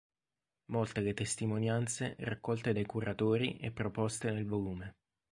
Molte le testimonianze raccolte dai curatori e proposte nel volume.